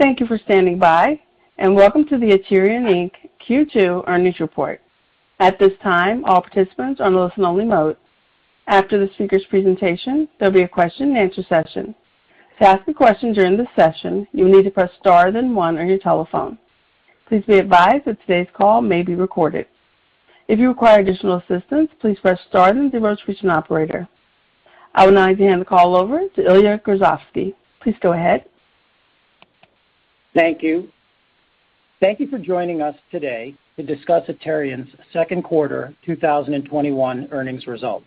Thank you for standing by. Welcome to the Aterian Inc. Q2 earnings report. At this time, all participants are on listen only mode. After the speaker's presentation, there'll be a question and answer session. To ask a question during the session, you will need to press star then one on your telephone. Please be advised that today's call may be recorded. If you require additional assistance, please press star then zero to reach an operator. I would now like to hand the call over to Ilya Grozovsky. Please go ahead. Thank you. Thank you for joining us today to discuss Aterian's second quarter 2021 earnings results.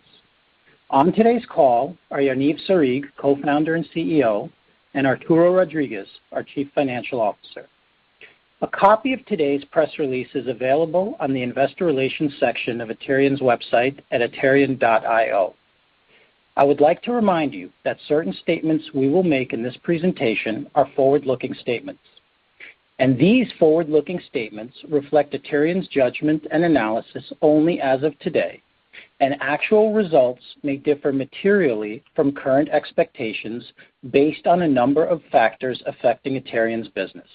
On today's call are Yaniv Sarig, Co-Founder and CEO, and Arturo Rodriguez, our Chief Financial Officer. A copy of today's press release is available on the investor relations section of Aterian's website at aterian.io. I would like to remind you that certain statements we will make in this presentation are forward-looking statements, and these forward-looking statements reflect Aterian's judgment and analysis only as of today, and actual results may differ materially from current expectations based on a number of factors affecting Aterian's business.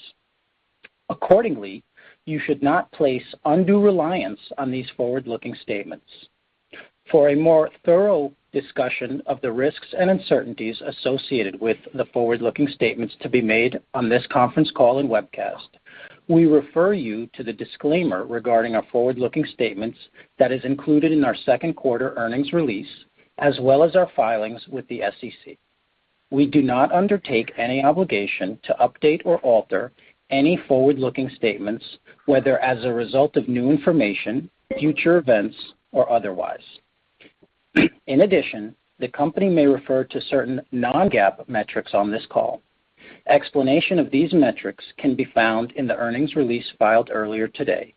Accordingly, you should not place undue reliance on these forward-looking statements. For a more thorough discussion of the risks and uncertainties associated with the forward-looking statements to be made on this conference call and webcast, we refer you to the disclaimer regarding our forward-looking statements that is included in our second quarter earnings release, as well as our filings with the SEC. We do not undertake any obligation to update or alter any forward-looking statements, whether as a result of new information, future events, or otherwise. In addition, the company may refer to certain non-GAAP metrics on this call. Explanation of these metrics can be found in the earnings release filed earlier today.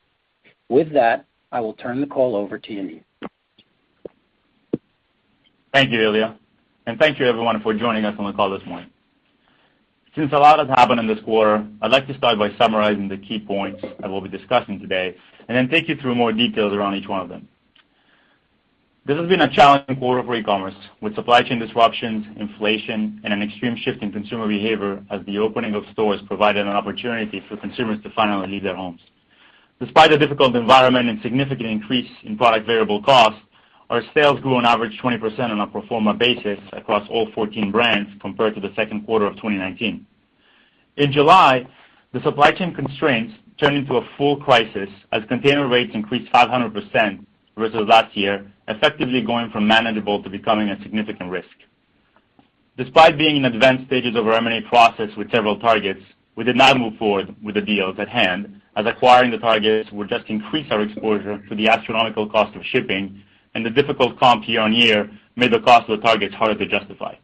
With that, I will turn the call over to Yaniv. Thank you, Ilya, and thank you everyone for joining us on the call this morning. Since a lot has happened in this quarter, I'd like to start by summarizing the key points that we'll be discussing today, and then take you through more details around each one of them. This has been a challenging quarter for e-commerce, with supply chain disruptions, inflation, and an extreme shift in consumer behavior as the opening of stores provided an opportunity for consumers to finally leave their homes. Despite a difficult environment and significant increase in product variable costs, our sales grew on average 20% on a pro forma basis across all 14 brands compared to the second quarter of 2019. In July, the supply chain constraints turned into a full crisis as container rates increased 500% versus last year, effectively going from manageable to becoming a significant risk. Despite being in advanced stages of our M&A process with several targets, we did not move forward with the deals at hand, as acquiring the targets would just increase our exposure to the astronomical cost of shipping and the difficult comp year-over-year made the cost of the targets harder to justify.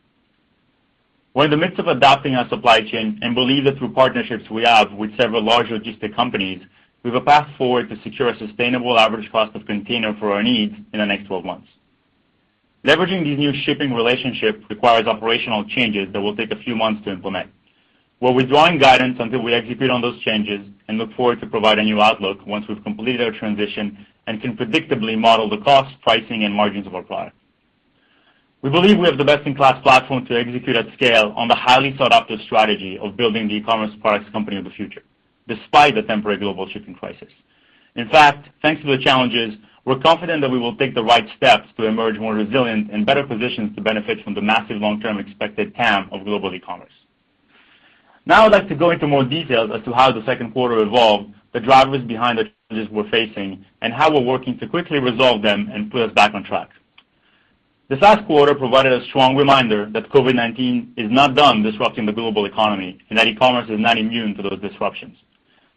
We're in the midst of adapting our supply chain and believe that through partnerships we have with several large logistic companies, we have a path forward to secure a sustainable average cost of container for our needs in the next 12 months. Leveraging these new shipping relationships requires operational changes that will take a few months to implement. We're withdrawing guidance until we execute on those changes and look forward to provide a new outlook once we've completed our transition and can predictably model the cost, pricing, and margins of our products. We believe we have the best-in-class platform to execute at scale on the highly thought out strategy of building the e-commerce products company of the future, despite the temporary global shipping crisis. In fact, thanks to the challenges, we're confident that we will take the right steps to emerge more resilient and better positioned to benefit from the massive long-term expected TAM of global e-commerce. Now, I'd like to go into more details as to how the second quarter evolved, the drivers behind the challenges we're facing, and how we're working to quickly resolve them and put us back on track. This last quarter provided a strong reminder that COVID-19 is not done disrupting the global economy, and that e-commerce is not immune to those disruptions.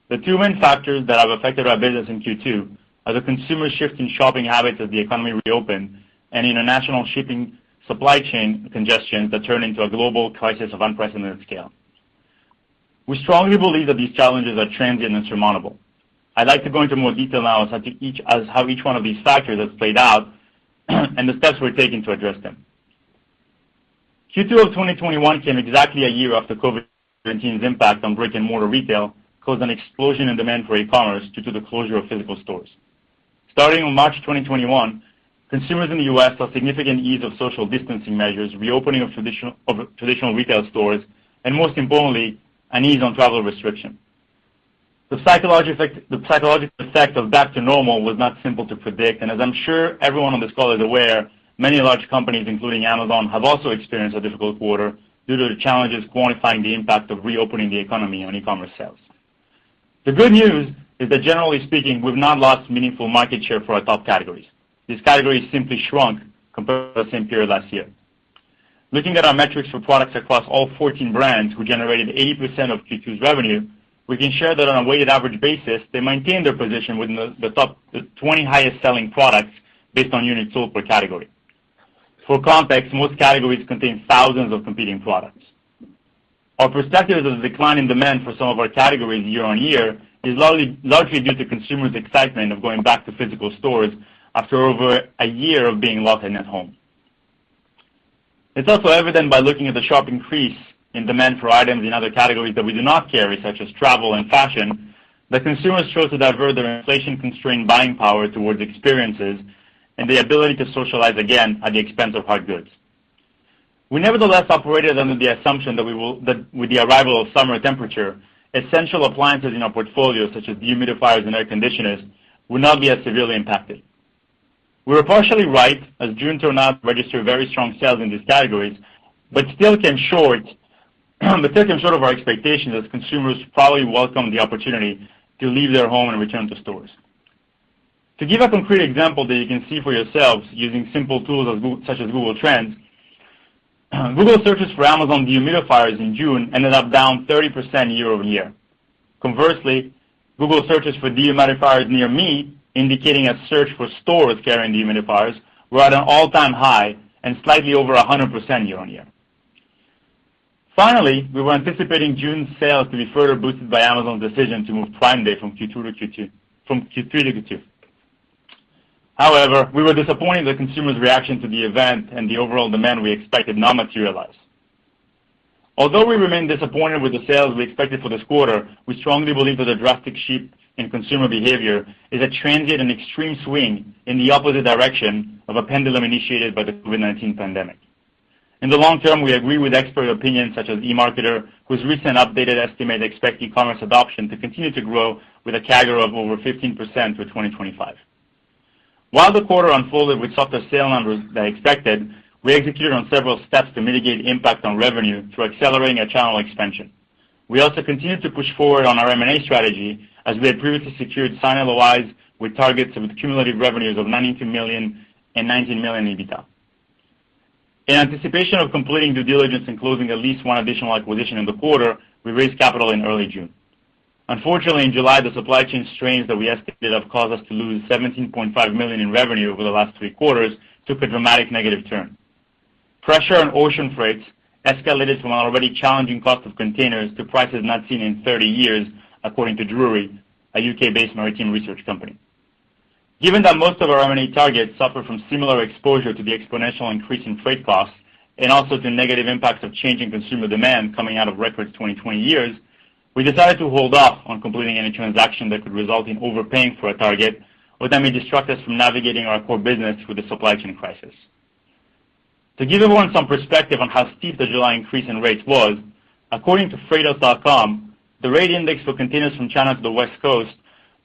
The two main factors that have affected our business in Q2 are the consumer shift in shopping habits as the economy reopened and international shipping supply chain congestions that turned into a global crisis of unprecedented scale. We strongly believe that these challenges are transient and surmountable. I'd like to go into more detail now as to how each one of these factors has played out, and the steps we're taking to address them. Q2 of 2021 came exactly a year after COVID-19's impact on brick-and-mortar retail caused an explosion in demand for e-commerce due to the closure of physical stores. Starting in March 2021, consumers in the U.S. saw significant ease of social distancing measures, reopening of traditional retail stores, and most importantly, an ease on travel restriction. The psychological effect of back to normal was not simple to predict, and as I'm sure everyone on this call is aware, many large companies, including Amazon, have also experienced a difficult quarter due to the challenges quantifying the impact of reopening the economy on e-commerce sales. The good news is that generally speaking, we've not lost meaningful market share for our top categories. These categories simply shrunk compared to the same period last year. Looking at our metrics for products across all 14 brands who generated 80% of Q2's revenue, we can share that on a weighted average basis, they maintained their position within the top 20 highest selling products based on units sold per category. For context, most categories contain thousands of competing products. Our perception is a decline in demand for some of our categories year-over-year is largely due to consumers' excitement of going back to physical stores after over a year of being locked in at home. It's also evident by looking at the sharp increase in demand for items in other categories that we do not carry, such as travel and fashion, that consumers chose to divert their inflation-constrained buying power towards experiences and the ability to socialize again at the expense of hard goods. We nevertheless operated under the assumption that with the arrival of summer temperature, essential appliances in our portfolio, such as dehumidifiers and air conditioners, would not be as severely impacted. We were partially right as June turned out registered very strong sales in these categories, but still came short of our expectations as consumers probably welcome the opportunity to leave their home and return to stores. To give a concrete example that you can see for yourselves using simple tools such as Google Trends, Google searches for Amazon dehumidifiers in June ended up down 30% year-over-year. Conversely, Google searches for dehumidifiers near me, indicating a search for stores carrying dehumidifiers, were at an all-time high and slightly over 100% year-on-year. Finally, we were anticipating June sales to be further boosted by Amazon's decision to move Prime Day From Q3 to Q2. However, we were disappointed in the consumer's reaction to the event and the overall demand we expected not materialize. Although we remain disappointed with the sales we expected for this quarter, we strongly believe that the drastic shift in consumer behavior is a transient and extreme swing in the opposite direction of a pendulum initiated by the COVID-19 pandemic. In the long term, we agree with expert opinions such as eMarketer, whose recent updated estimate expect e-commerce adoption to continue to grow with a CAGR of over 15% through 2025. While the quarter unfolded with softer sale numbers than expected, we executed on several steps to mitigate impact on revenue through accelerating our channel expansion. We also continued to push forward on our M&A strategy as we had previously secured signed LOIs with targets of cumulative revenues of $92 million and $19 million EBITDA. In anticipation of completing due diligence and closing at least 1 additional acquisition in the quarter, we raised capital in early June. Unfortunately, in July, the supply chain strains that we estimated have caused us to lose $17.5 million in revenue over the last three quarters took a dramatic negative turn. Pressure on ocean freights escalated from an already challenging cost of containers to prices not seen in 30 years, according to Drewry, a U.K.-based maritime research company. Given that most of our M&A targets suffer from similar exposure to the exponential increase in freight costs and also to negative impacts of changing consumer demand coming out of record 2020 years, we decided to hold off on completing any transaction that could result in overpaying for a target or that may distract us from navigating our core business through the supply chain crisis. To give everyone some perspective on how steep the July increase in rates was, according to freightos.com, the rate index for containers from China to the West Coast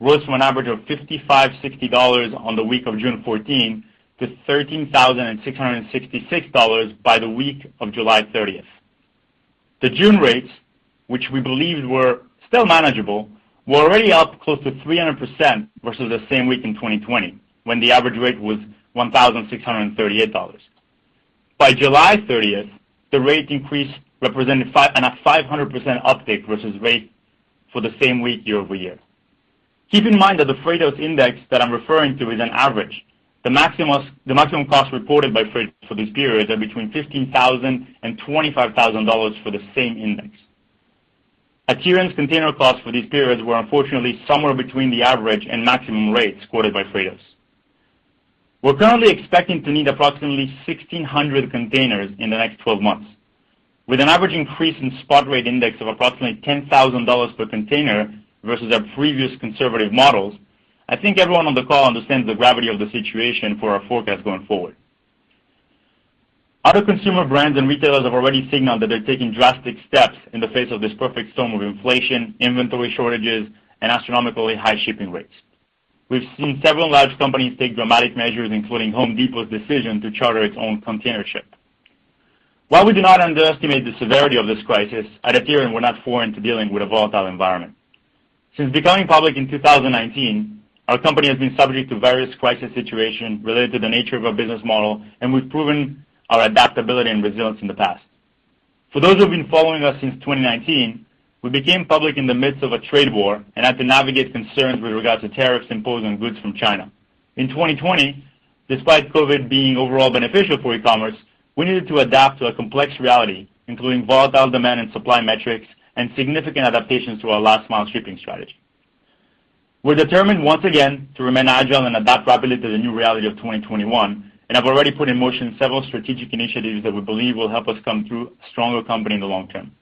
rose from an average of $5,560 on the week of June 14th to $13,666 by the week of July 30th. The June rates, which we believed were still manageable, were already up close to 300% versus the same week in 2020, when the average rate was $1,638. By July 30th, the rate increase represented a 500% uptick versus rate for the same week year-over-year. Keep in mind that the Freightos index that I'm referring to is an average. The maximum cost reported by Freightos for this period are between $15,000 and $25,000 for the same index. Aterian's container costs for these periods were unfortunately somewhere between the average and maximum rates quoted by Freightos. We're currently expecting to need approximately 1,600 containers in the next 12 months. With an average increase in spot rate index of approximately $10,000 per container versus our previous conservative models, I think everyone on the call understands the gravity of the situation for our forecast going forward. Other consumer brands and retailers have already signaled that they're taking drastic steps in the face of this perfect storm of inflation, inventory shortages, and astronomically high shipping rates. We've seen several large companies take dramatic measures, including Home Depot's decision to charter its own container ship. While we do not underestimate the severity of this crisis, at Aterian, we're not foreign to dealing with a volatile environment. Since becoming public in 2019, our company has been subject to various crisis situations related to the nature of our business model, and we've proven our adaptability and resilience in the past. For those who've been following us since 2019, we became public in the midst of a trade war and had to navigate concerns with regards to tariffs imposed on goods from China. In 2020, despite COVID being overall beneficial for e-commerce, we needed to adapt to a complex reality, including volatile demand and supply metrics and significant adaptations to our last mile shipping strategy. We're determined once again to remain agile and adapt rapidly to the new reality of 2021, and have already put in motion several strategic initiatives that we believe will help us come through a stronger company in the long term.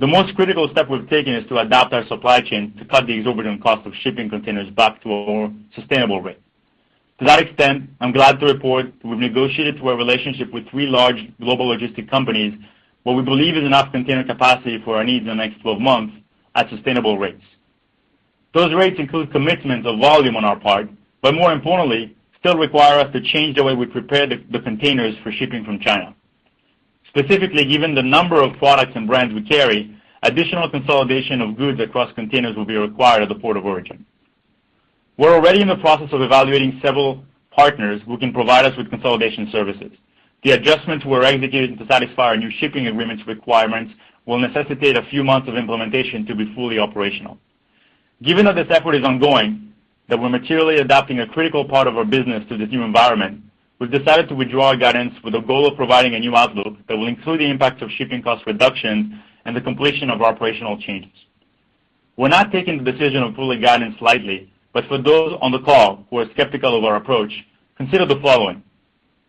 The most critical step we've taken is to adapt our supply chain to cut the exorbitant cost of shipping containers back to a more sustainable rate. To that extent, I'm glad to report that we've negotiated through our relationship with three large global logistic companies what we believe is enough container capacity for our needs in the next 12 months at sustainable rates. Those rates include commitments of volume on our part, but more importantly, still require us to change the way we prepare the containers for shipping from China. Specifically, given the number of products and brands we carry, additional consolidation of goods across containers will be required at the port of origin. We're already in the process of evaluating several partners who can provide us with consolidation services. The adjustments we're executing to satisfy our new shipping agreements requirements will necessitate a few months of implementation to be fully operational. Given that this effort is ongoing, that we're materially adapting a critical part of our business to this new environment, we've decided to withdraw our guidance with a goal of providing a new outlook that will include the impact of shipping cost reduction and the completion of our operational changes. We're not taking the decision of pulling guidance lightly, but for those on the call who are skeptical of our approach, consider the following.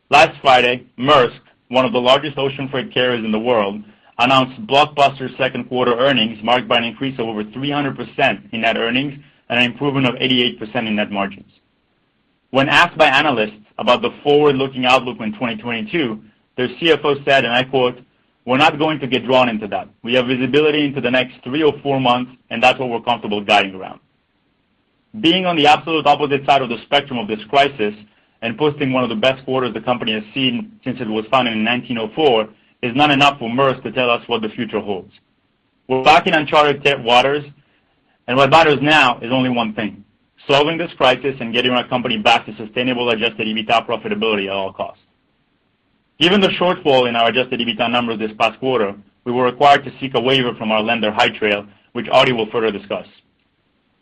Last Friday, Maersk, one of the largest ocean freight carriers in the world, announced blockbuster second quarter earnings marked by an increase of over 300% in net earnings and an improvement of 88% in net margins. When asked by analysts about the forward-looking outlook in 2022, their CFO said, and I quote, "We're not going to get drawn into that. We have visibility into the next three or four months, and that's what we're comfortable guiding around. Being on the absolute opposite side of the spectrum of this crisis and posting one of the best quarters the company has seen since it was founded in 1904 is not enough for Maersk to tell us what the future holds. We're back in uncharted waters, and what matters now is only one thing, solving this crisis and getting our company back to sustainable adjusted EBITDA profitability at all costs. Given the shortfall in our adjusted EBITDA numbers this past quarter, we were required to seek a waiver from our lender, High Trail, which Art will further discuss.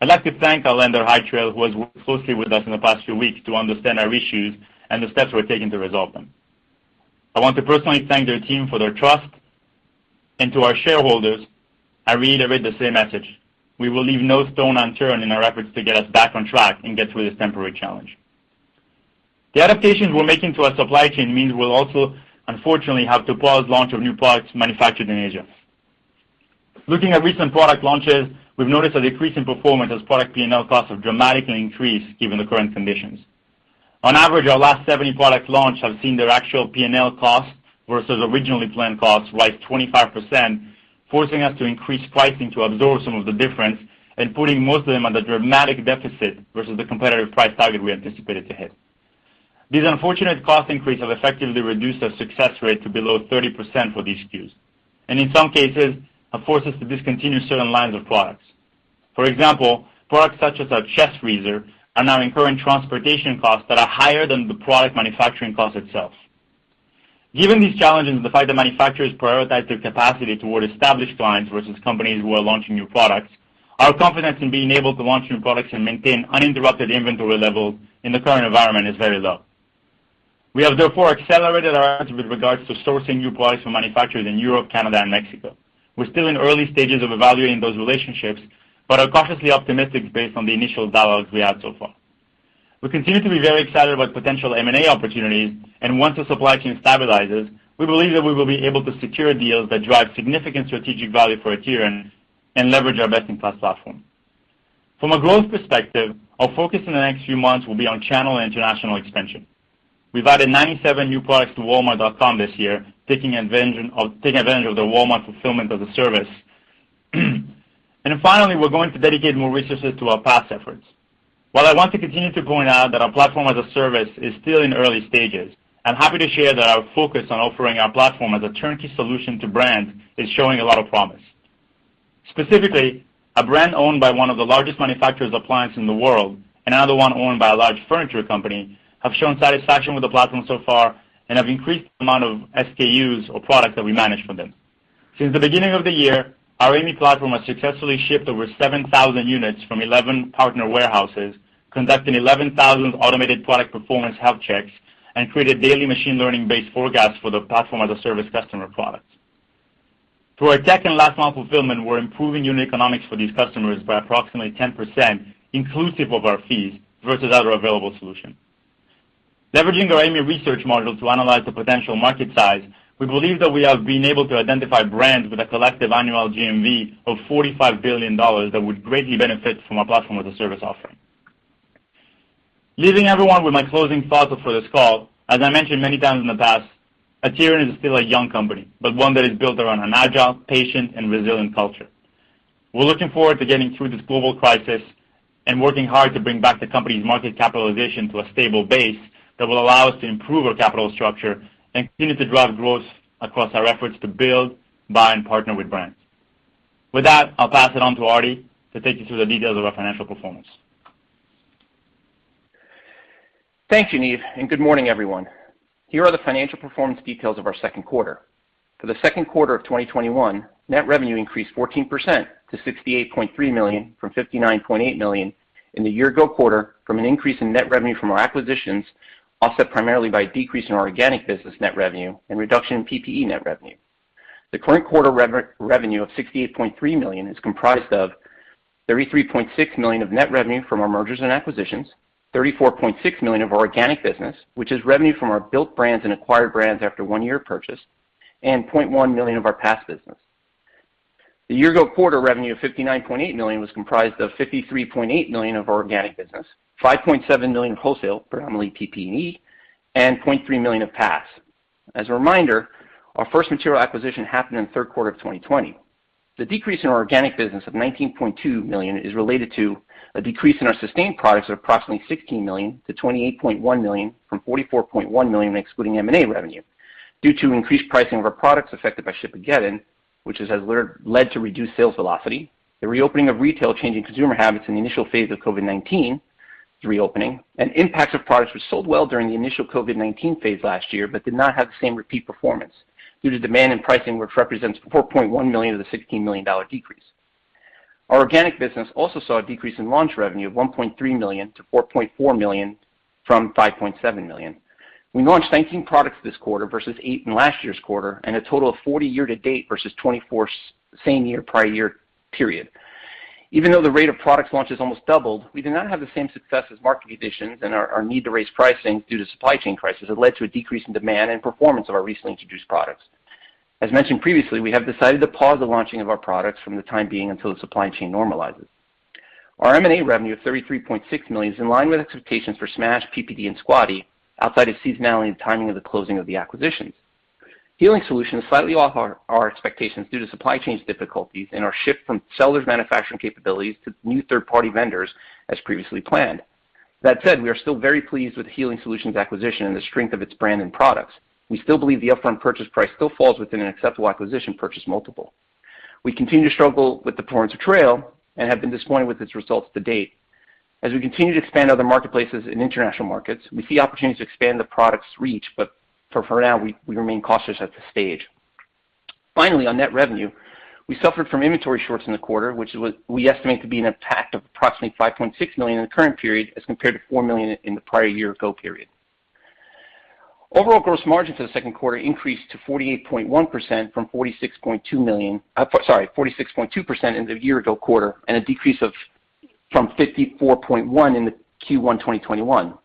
I'd like to thank our lender, High Trail, who has worked closely with us in the past few weeks to understand our issues and the steps we're taking to resolve them. I want to personally thank their team for their trust and to our shareholders, I reiterate the same message. We will leave no stone unturned in our efforts to get us back on track and get through this temporary challenge. The adaptations we're making to our supply chain means we'll also, unfortunately, have to pause launch of new products manufactured in Asia. Looking at recent product launches, we've noticed a decrease in performance as product P&L costs have dramatically increased given the current conditions. On average, our last 70 product launch have seen their actual P&L costs versus originally planned costs rise 25%, forcing us to increase pricing to absorb some of the difference and putting most of them at a dramatic deficit versus the competitive price target we anticipated to hit. These unfortunate cost increases have effectively reduced our success rate to below 30% for these SKUs, and in some cases, have forced us to discontinue certain lines of products. For example, products such as our chest freezer are now incurring transportation costs that are higher than the product manufacturing cost itself. Given these challenges, the fact that manufacturers prioritize their capacity toward established clients versus companies who are launching new products, our confidence in being able to launch new products and maintain uninterrupted inventory levels in the current environment is very low. We have therefore accelerated our efforts with regards to sourcing new products from manufacturers in Europe, Canada, and Mexico. We're still in early stages of evaluating those relationships, but are cautiously optimistic based on the initial dialogues we had so far. We continue to be very excited about potential M&A opportunities, and once the supply chain stabilizes, we believe that we will be able to secure deals that drive significant strategic value for Aterian and leverage our best-in-class platform. From a growth perspective, our focus in the next few months will be on channel and international expansion. We've added 97 new products to walmart.com this year, taking advantage of the Walmart fulfillment as a service. Finally, we're going to dedicate more resources to our PaaS efforts. While I want to continue to point out that our platform as a service is still in early stages, I'm happy to share that our focus on offering our platform as a turnkey solution to brand is showing a lot of promise. Specifically, a brand owned by one of the largest manufacturers of appliance in the world, and another one owned by a large furniture company, have shown satisfaction with the platform so far and have increased the amount of SKUs or products that we manage for them. Since the beginning of the year, our AIMEE platform has successfully shipped over 7,000 units from 11 partner warehouses, conducting 11,000 automated product performance health checks, and created daily machine learning-based forecasts for the platform as a service customer products. Through our tech and last mile fulfillment, we're improving unit economics for these customers by approximately 10%, inclusive of our fees, versus other available solutions. Leveraging our AIMEE research module to analyze the potential market size, we believe that we have been able to identify brands with a collective annual GMV of $45 billion that would greatly benefit from our platform as a service offering. Leaving everyone with my closing thoughts for this call, as I mentioned many times in the past, Aterian is still a young company, but one that is built around an agile, patient, and resilient culture. We're looking forward to getting through this global crisis and working hard to bring back the company's market capitalization to a stable base that will allow us to improve our capital structure and continue to drive growth across our efforts to build, buy, and partner with brands. With that, I'll pass it on to Ari to take you through the details of our financial performance. Thank you, Niv, and good morning, everyone. Here are the financial performance details of our second quarter. For the second quarter of 2021, net revenue increased 14% to $68.3 million from $59.8 million in the year-ago quarter from an increase in net revenue from our mergers and acquisitions, offset primarily by a decrease in our organic business net revenue and reduction in PPE net revenue. The current quarter revenue of $68.3 million is comprised of $33.6 million of net revenue from our mergers and acquisitions, $34.6 million of our organic business, which is revenue from our built brands and acquired brands after one year of purchase, and $0.1 million of our PaaS business. The year-ago quarter revenue of $59.8 million was comprised of $53.8 million of our organic business, $5.7 million of wholesale, predominantly PPE, and $0.3 million of PaaS. As a reminder, our first material acquisition happened in the third quarter of 2020. The decrease in our organic business of $19.2 million is related to a decrease in our sustained products of approximately $16 million to $28.1 million from $44.1 million excluding M&A revenue due to increased pricing of our products affected by shipageddon, which has led to reduced sales velocity, the reopening of retail changing consumer habits in the initial phase of COVID-19, the reopening, and impact of products which sold well during the initial COVID-19 phase last year but did not have the same repeat performance due to demand and pricing, which represents $4.1 million of the $16 million decrease. Our organic business also saw a decrease in launch revenue of $1.3 million to $4.4 million from $5.7 million. We launched 19 products this quarter versus eight in last year's quarter and a total of 40 year to date versus 24 same year, prior year period. Even though the rate of products launches almost doubled, we did not have the same success as market conditions and our need to raise pricing due to supply chain crisis have led to a decrease in demand and performance of our recently introduced products. As mentioned previously, we have decided to pause the launching of our products from the time being until the supply chain normalizes. Our M&A revenue of $33.6 million is in line with expectations for Smash, PPD, and Squatty, outside of seasonality and timing of the closing of the acquisitions. Healing Solutions is slightly off our expectations due to supply chains difficulties and our shift from sellers' manufacturing capabilities to new third-party vendors as previously planned. That said, we are still very pleased with the Healing Solutions acquisition and the strength of its brand and products. We still believe the upfront purchase price still falls within an acceptable acquisition purchase multiple. We continue to struggle with the Torrance Trail and have been disappointed with its results to date. As we continue to expand to other marketplaces in international markets, we see opportunities to expand the product's reach, but for now, we remain cautious at this stage. Finally, on net revenue, we suffered from inventory shorts in the quarter, which we estimate to be an impact of approximately $5.6 million in the current period, as compared to $4 million in the prior year-ago period. Overall gross margins for the second quarter increased to 48.1% from 46.2% in the year-ago quarter, and a decrease from 54.1% in the Q1 2021.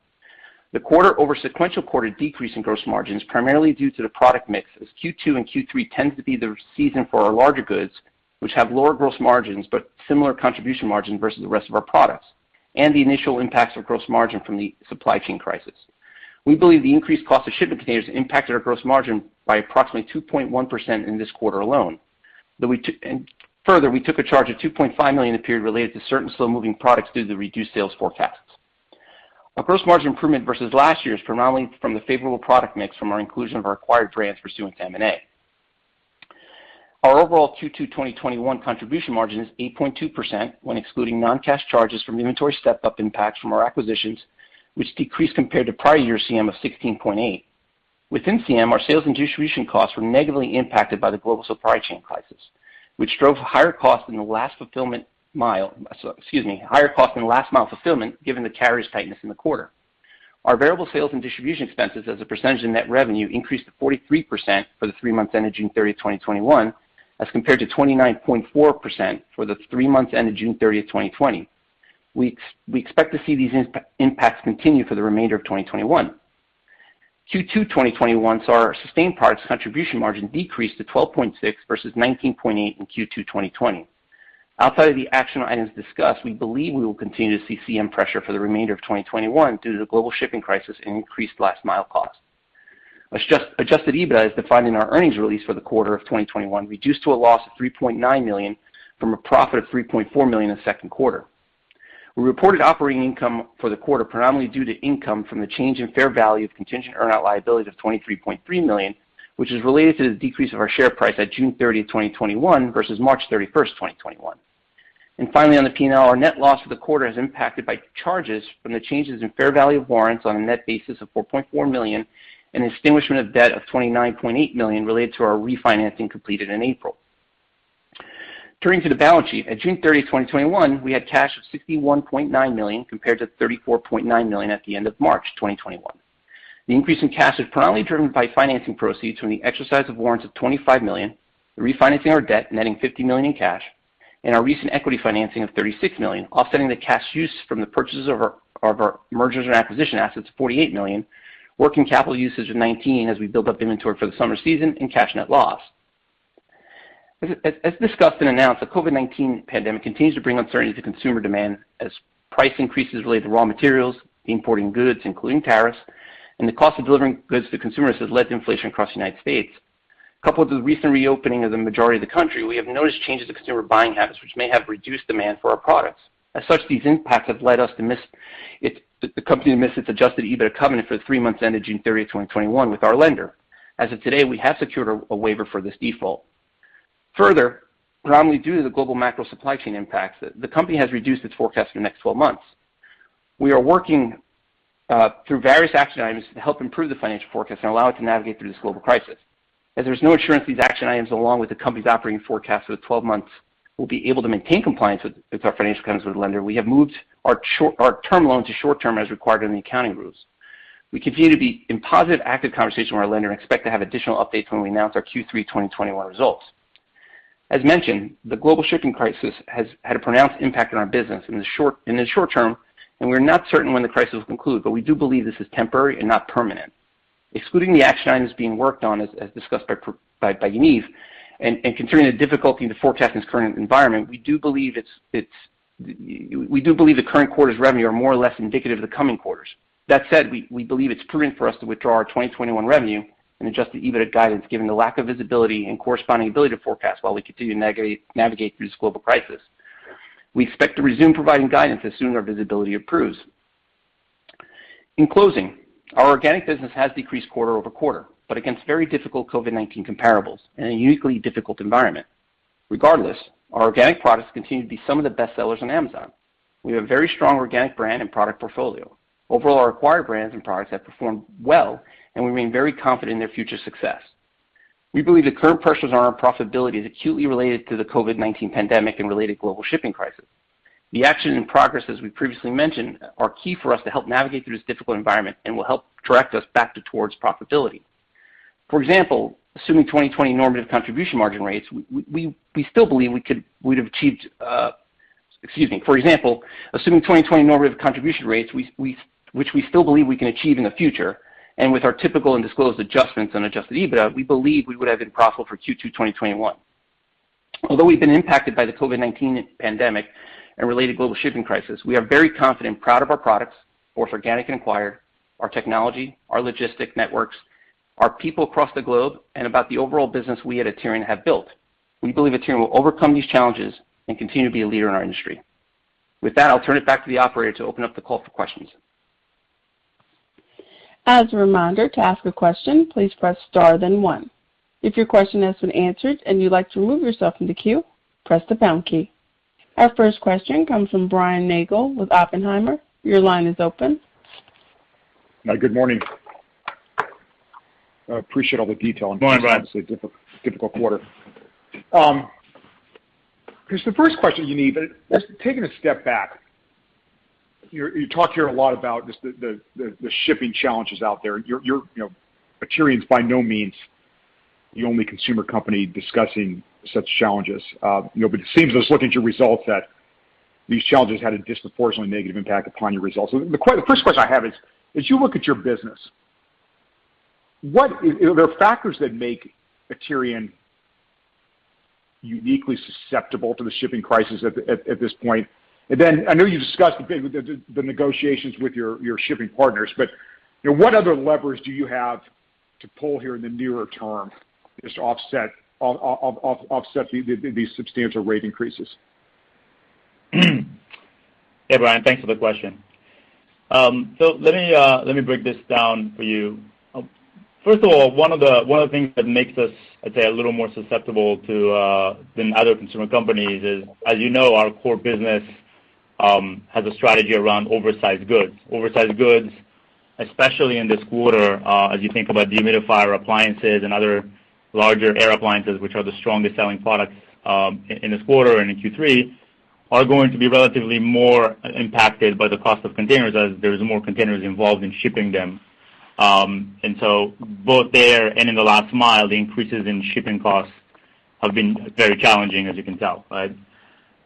The quarter over sequential quarter decrease in gross margin is primarily due to the product mix, as Q2 and Q3 tends to be the season for our larger goods, which have lower gross margins but similar contribution margins versus the rest of our products, and the initial impacts of gross margin from the supply chain crisis. We believe the increased cost of shipping containers impacted our gross margin by approximately 2.1% in this quarter alone. Further, we took a charge of $2.5 million in the period related to certain slow-moving products due to the reduced sales forecasts. Our gross margin improvement versus last year is predominantly from the favorable product mix from our inclusion of our acquired brands pursuant to M&A. Our overall Q2 2021 contribution margin is 8.2% when excluding non-cash charges from inventory step-up impacts from our acquisitions, which decreased compared to prior year CM of 16.8%. Within CM, our sales and distribution costs were negatively impacted by the global supply chain crisis, which drove higher costs in the last mile fulfillment, given the carriers' tightness in the quarter. Our variable sales and distribution expenses as a percentage of net revenue increased to 43% for the three months ending June 30, 2021, as compared to 29.4% for the three months ending June 30th, 2020. We expect to see these impacts continue for the remainder of 2021. Q2 2021 saw our sustained products contribution margin decrease to 12.6% versus 19.8% in Q2 2020. Outside of the action items discussed, we believe we will continue to see CM pressure for the remainder of 2021 due to the global shipping crisis and increased last mile costs. Adjusted EBITDA, as defined in our earnings release for the quarter of 2021, reduced to a loss of $3.9 million from a profit of $3.4 million in the second quarter. We reported operating income for the quarter predominantly due to income from the change in fair value of contingent earn-out liabilities of $23.3 million, which is related to the decrease of our share price at June 30th, 2021 versus March 31st, 2021. Finally, on the P&L, our net loss for the quarter is impacted by charges from the changes in fair value of warrants on a net basis of $4.4 million and extinguishment of debt of $29.8 million related to our refinancing completed in April. Turning to the balance sheet, at June 30th, 2021, we had cash of $61.9 million, compared to $34.9 million at the end of March 2021. The increase in cash was primarily driven by financing proceeds from the exercise of warrants of $25 million, the refinancing our debt, netting $50 million in cash, and our recent equity financing of $36 million, offsetting the cash use from the purchases of our mergers and acquisition assets of $48 million, working capital usage of $19 million as we build up inventory for the summer season, and cash net loss. As discussed and announced, the COVID-19 pandemic continues to bring uncertainty to consumer demand as price increases related to raw materials, importing goods, including tariffs, and the cost of delivering goods to consumers has led to inflation across the United States. Coupled with the recent reopening of the majority of the country, we have noticed changes to consumer buying habits, which may have reduced demand for our products. As such, these impacts have led the company to miss its adjusted EBITDA covenant for the three months ending June 30th 2021 with our lender. As of today, we have secured a waiver for this default. Predominantly due to the global macro supply chain impacts, the company has reduced its forecast for the next 12 months. We are working through various action items to help improve the financial forecast and allow it to navigate through this global crisis. There's no assurance these action items, along with the company's operating forecast for the 12 months, will be able to maintain compliance with our financial covenants with the lender, we have moved our term loan to short term as required in the accounting rules. We continue to be in positive, active conversation with our lender and expect to have additional updates when we announce our Q3 2021 results. As mentioned, the global shipping crisis has had a pronounced impact on our business in the short term, and we are not certain when the crisis will conclude, but we do believe this is temporary and not permanent. Excluding the action items being worked on, as discussed by Yaniv, and considering the difficulty to forecast in this current environment, we do believe the current quarter's revenue are more or less indicative of the coming quarters. That said, we believe it's prudent for us to withdraw our 2021 revenue and adjusted EBITDA guidance, given the lack of visibility and corresponding ability to forecast while we continue to navigate through this global crisis. We expect to resume providing guidance as soon our visibility improves. In closing, our organic business has decreased quarter-over-quarter, but against very difficult COVID-19 comparables and a uniquely difficult environment. Regardless, our organic products continue to be some of the best sellers on Amazon. We have a very strong organic brand and product portfolio. Overall, our acquired brands and products have performed well, and we remain very confident in their future success. We believe the current pressures on our profitability is acutely related to the COVID-19 pandemic and related global shipping crisis. The action and progress, as we previously mentioned, are key for us to help navigate through this difficult environment and will help direct us back towards profitability. For example, assuming 2020 normative contribution rates, which we still believe we can achieve in the future, and with our typical and disclosed adjustments on adjusted EBITDA, we believe we would have been profitable for Q2 2021. Although we've been impacted by the COVID-19 pandemic and related global shipping crisis, we are very confident and proud of our products, both organic and acquired, our technology, our logistic networks, our people across the globe, and about the overall business we at Aterian have built. We believe Aterian will overcome these challenges and continue to be a leader in our industry. With that, I'll turn it back to the operator to open up the call for questions. As a reminder, to ask a question, please press star then one. If your question has been answered and you'd like to remove yourself from the queue, press the pound key. Our first question comes from Brian Nagel with Oppenheimer. Your line is open. Hi, good morning. I appreciate all the detail. Good morning, Brian. obviously a difficult quarter. Here's the first question, Yaniv. Taking a step back, you talked here a lot about just the shipping challenges out there. Aterian's by no means the only consumer company discussing such challenges. It seems, just looking at your results, that these challenges had a disproportionately negative impact upon your results. The first question I have is, as you look at your business, are there factors that make Aterian uniquely susceptible to the shipping crisis at this point? I know you've discussed the negotiations with your shipping partners. What other levers do you have to pull here in the nearer term, just to offset these substantial rate increases? Hey, Brian. Thanks for the question. Let me break this down for you. First of all, one of the things that makes us, I'd say, a little more susceptible than other consumer companies is, as you know, our core business has a strategy around oversized goods. Oversized goods, especially in this quarter, as you think about dehumidifier appliances and other larger air appliances, which are the strongest selling products in this quarter and in Q3, are going to be relatively more impacted by the cost of containers, as there's more containers involved in shipping them. Both there and in the last mile, the increases in shipping costs have been very challenging, as you can tell.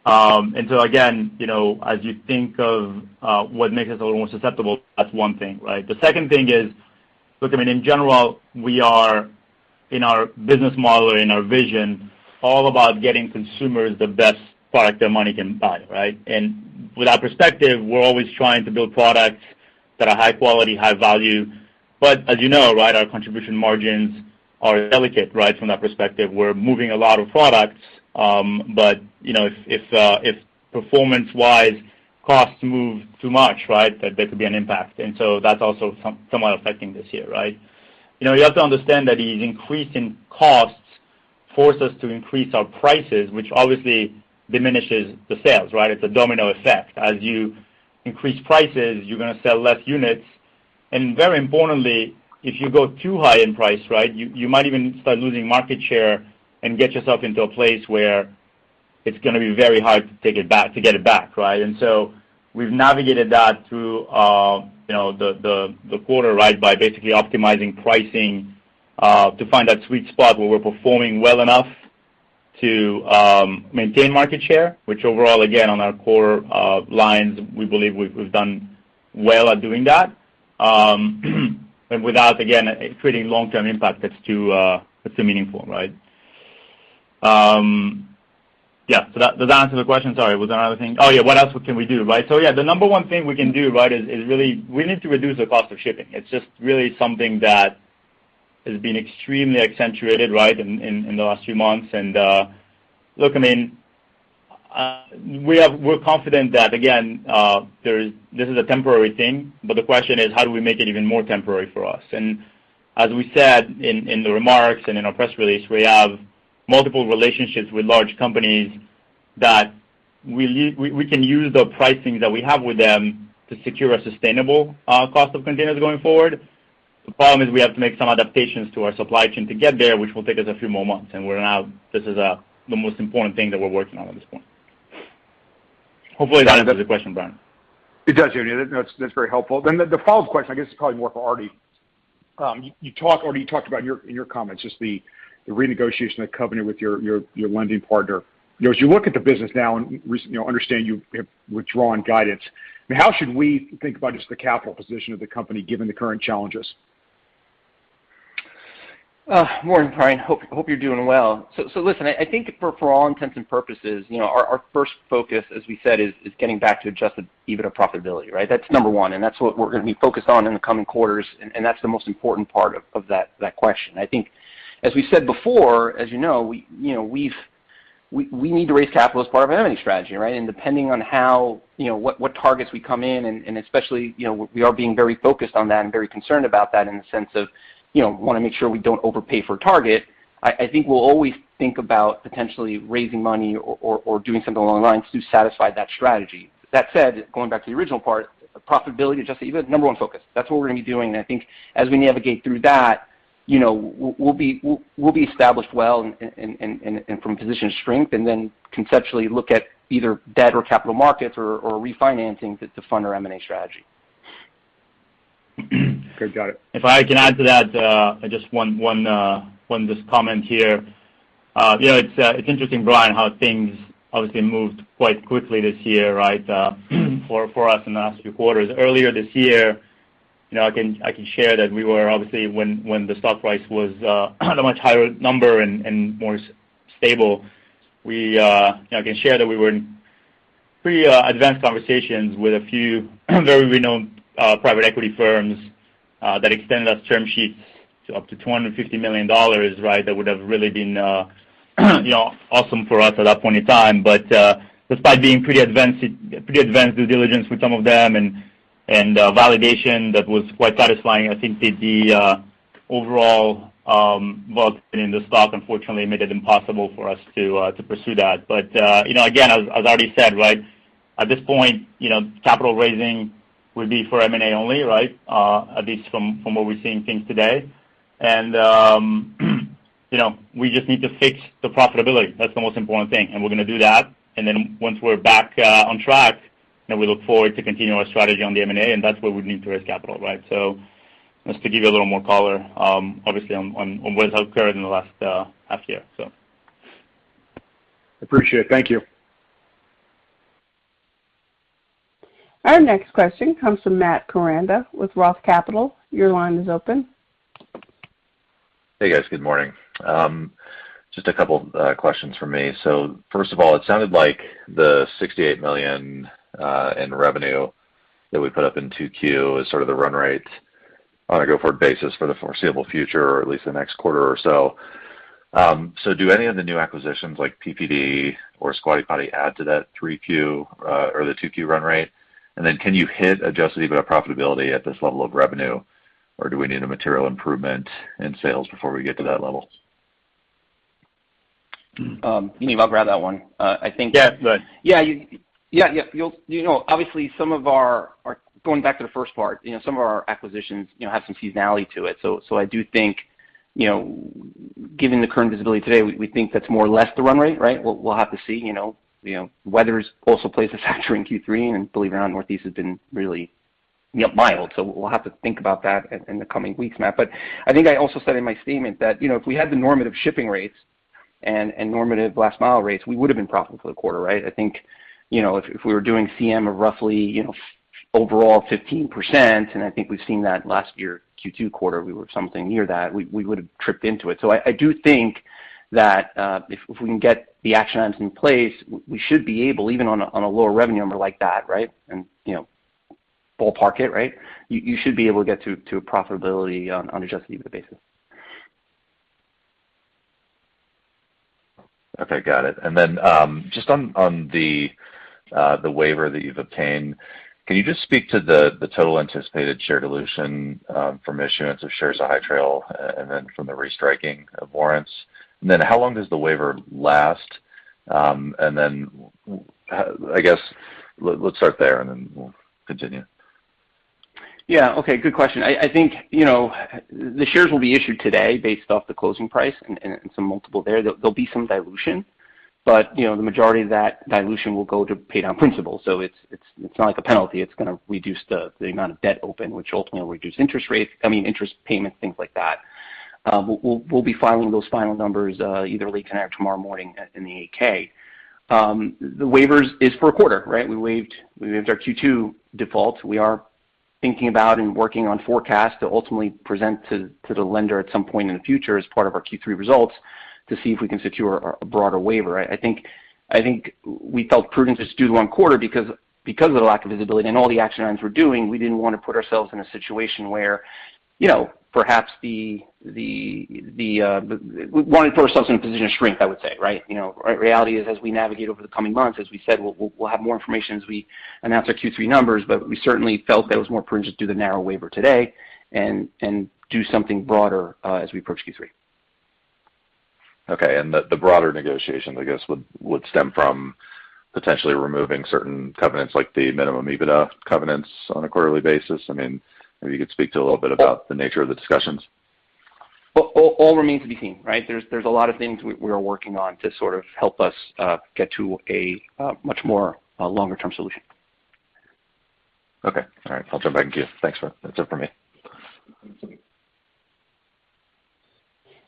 Again, as you think of what makes us a little more susceptible, that's one thing. The second thing is, look, I mean, in general, we are, in our business model or in our vision, all about getting consumers the best product their money can buy. With that perspective, we're always trying to build products that are high quality, high value. As you know, our contribution margins are delicate from that perspective. We're moving a lot of products, but if performance-wise costs move too much, there could be an impact. That's also somewhat affecting this year. You have to understand that these increasing costs force us to increase our prices, which obviously diminishes the sales. It's a domino effect. As you increase prices, you're going to sell less units. Very importantly, if you go too high in price, you might even start losing market share and get yourself into a place where it's going to be very hard to get it back. We've navigated that through the quarter by basically optimizing pricing, to find that sweet spot where we're performing well enough to maintain market share, which overall, again, on our core lines, we believe we've done well at doing that, and without, again, creating long-term impact that's too meaningful. Yeah. Does that answer the question? Sorry, was there another thing? Yeah, what else can we do? Yeah, the number 1 thing we can do is really, we need to reduce the cost of shipping. It's just really something that has been extremely accentuated in the last few months. Look, I mean, we're confident that, again this is a temporary thing, but the question is, how do we make it even more temporary for us? As we said in the remarks and in our press release, we have multiple relationships with large companies that we can use the pricing that we have with them to secure a sustainable cost of containers going forward. The problem is we have to make some adaptations to our supply chain to get there, which will take us a few more months, and this is the most important thing that we're working on at this point. Hopefully that answers your question, Brian. It does, Yaniv. That's very helpful. The follow-up question, I guess, is probably more for Art. You talked about in your comments, just the renegotiation of covenant with your lending partner. As you look at the business now and understand you have withdrawn guidance, how should we think about just the capital position of the company given the current challenges? Morning, Brian. Hope you're doing well. I think for all intents and purposes, our first focus, as we said, is getting back to adjusted EBITDA profitability. That's number one, and that's what we're going to be focused on in the coming quarters, and that's the most important part of that question. I think as we said before, as you know, we need to raise capital as part of M&A strategy. Depending on what targets we come in and especially, we are being very focused on that and very concerned about that in the sense of, want to make sure we don't overpay for a target. I think we'll always think about potentially raising money or doing something along the lines to satisfy that strategy. That said, going back to the original part, profitability, adjusted EBITDA, number one focus. That's what we're going to be doing, and I think as we navigate through that, we'll be established well and from a position of strength, and then conceptually look at either debt or capital markets or refinancing to fund our M&A strategy. Okay, got it. If I can add to that, just one comment here. It's interesting, Brian, how things obviously moved quite quickly this year, right? For us in the last few quarters. Earlier this year, I can share that we were obviously, when the stock price was a much higher number and more stable, I can share that we were in pretty advanced conversations with a few very renowned private equity firms that extended us term sheets to up to $250 million, right? That would have really been awesome for us at that point in time. Despite being pretty advanced due diligence with some of them and validation that was quite satisfying, I think the overall volatility in the stock unfortunately made it impossible for us to pursue that. Again, as I already said, at this point, capital raising would be for M&A only. At least from where we're seeing things today. We just need to fix the profitability. That's the most important thing. We're going to do that. Once we're back on track, then we look forward to continuing our strategy on the M&A, and that's where we'd need to raise capital. Just to give you a little more color, obviously on what has occurred in the last half year. Appreciate it. Thank you. Our next question comes from Matt Koranda with ROTH Capital. Your line is open. Hey, guys. Good morning. Just a couple questions from me. First of all, it sounded like the $68 million in revenue that we put up in 2Q is sort of the run rate on a go-forward basis for the foreseeable future, or at least the next quarter or so. Do any of the new acquisitions like PPD or Squatty Potty add to that 3Q or the 2Q run rate? Can you hit adjusted EBITDA profitability at this level of revenue, or do we need a material improvement in sales before we get to that level? I'll grab that one. Yeah, go ahead. Obviously, going back to the first part, some of our acquisitions have some seasonality to it. I do think, given the current visibility today, we think that's more or less the run rate, right? We'll have to see. Weather also plays a factor in Q3, and believe it or not, Northeast has been really mild. We'll have to think about that in the coming weeks, Matt. I think I also said in my statement that if we had the normative shipping rates and normative last mile rates, we would've been profitable for the quarter, right? I think, if we were doing CM of roughly overall 15%, and I think we've seen that last year, Q2 quarter, we were something near that, we would've tripped into it. I do think that, if we can get the action items in place, we should be able, even on a lower revenue number like that, and ballpark it, you should be able to get to a profitability on adjusted EBITDA basis. Okay, got it. Just on the waiver that you've obtained, can you just speak to the total anticipated share dilution from issuance of shares of High Trail and then from the restriking of warrants? How long does the waiver last? I guess let's start there, and then we'll continue. Yeah. Okay, good question. I think, the shares will be issued today based off the closing price and some multiple there. There'll be some dilution, the majority of that dilution will go to pay down principal. It's not like a penalty. It's going to reduce the amount of debt open, which ultimately will reduce interest payment, things like that. We'll be filing those final numbers either late tonight or tomorrow morning in the 8-K. The waivers is for a quarter, right? We waived our Q2 defaults. We are thinking about and working on forecasts to ultimately present to the lender at some point in the future as part of our Q3 results to see if we can secure a broader waiver. I think we felt prudent to just do the one quarter because of the lack of visibility and all the action items we're doing. We wanted to put ourselves in a position of strength, I would say, right? Reality is, as we navigate over the coming months, as we said, we'll have more information as we announce our Q3 numbers, but we certainly felt that it was more prudent to do the narrow waiver today and do something broader as we approach Q3. Okay. The broader negotiation, I guess, would stem from potentially removing certain covenants like the minimum EBITDA covenants on a quarterly basis? I mean, maybe you could speak to a little bit about the nature of the discussions. All remains to be seen, right? There's a lot of things we're working on to sort of help us get to a much more longer-term solution. Okay. All right. I'll jump back in queue. Thanks. That's it for me.